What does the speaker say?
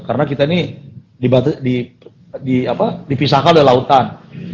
karena kita ini dipisahkan oleh lautan